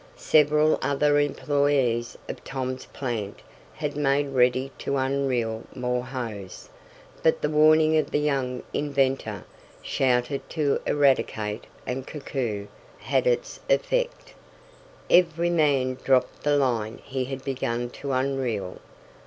Several other employees of Tom's plant had made ready to unreel more hose, but the warning of the young inventor, shouted to Eradicate and Koku, had had its effect. Every man dropped the line he had begun to unreel.